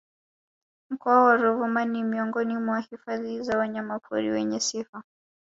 Mkoa wa Ruvuma ni Miongoni mwa hifadhi za Wanyama pori wenye sifa